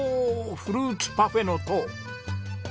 フルーツパフェの塔。